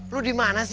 lo di mana sih